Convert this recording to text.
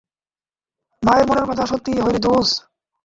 মায়ের মনের কথা সত্যি হয়রে দোস।